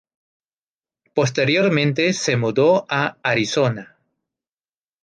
Posteriormente se mudó a Arizona.